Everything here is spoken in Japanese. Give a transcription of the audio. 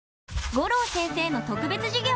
五郎先生の特別授業。